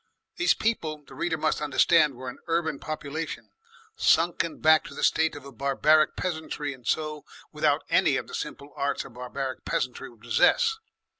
These people, the reader must understand, were an urban population sunken back to the state of a barbaric peasantry, and so without any of the simple arts a barbaric peasantry would possess.